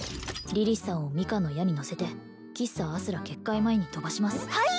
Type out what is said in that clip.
リリスさんをミカンの矢にのせて喫茶あすら結界前に飛ばしますはい！？